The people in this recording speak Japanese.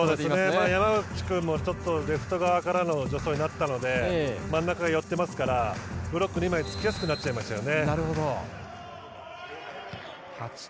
山内君もレフト側からの助走になったので真ん中に寄っていますからブロック２枚つきやすくなっちゃいましたよね。